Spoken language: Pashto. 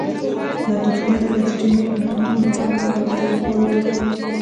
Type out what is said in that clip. ناتوفیانو بنسټي نوښتونو ملا ور وتړله.